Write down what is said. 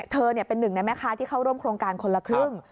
เธอเป็นหนึ่งในแม่ค้าที่เข้าร่วมโครงการคนละครึ่ง